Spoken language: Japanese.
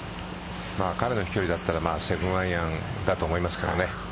彼の飛距離だったら７アイアンだと思いますけどね。